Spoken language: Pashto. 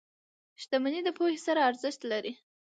• شتمني د پوهې سره ارزښت لري.